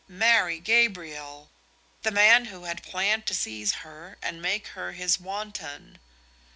Marry Gabriel! The man who had planned to seize her and make her his wanton!